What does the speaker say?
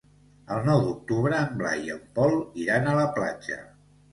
El nou d'octubre en Blai i en Pol iran a la platja.